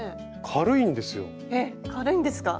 軽いんですか？